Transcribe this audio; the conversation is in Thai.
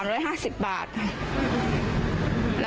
ความปลอดภัยของนายอภิรักษ์และครอบครัวด้วยซ้ำ